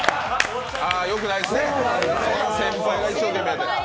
よくないですね、先輩が一生懸命やってるのに。